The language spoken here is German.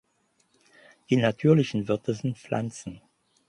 Die natürlichen Wirte sind Pflanzen.